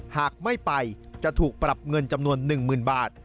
หากไม่ไปจะถูกปรับเงินจำนวน๑๐๐๐บาท